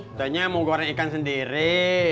tentunya mau goreng ikan sendiri